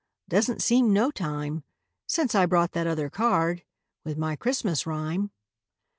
Doesn't seem no time Since I brought that other card With my Christmas rhyme.